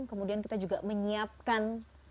kemudian kita juga menyiapkan